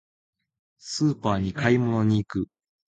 スーパーに買い物に行く。